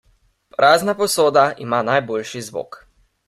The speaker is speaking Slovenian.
Prazna posoda ima najboljši zvok.